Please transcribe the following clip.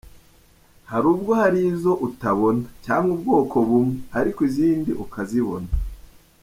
Hari ubwo hari izo utabona, cyangwa ubwoko bumwe, ariko izindi ukazibona.